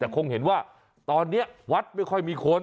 แต่คงเห็นว่าตอนนี้วัดไม่ค่อยมีคน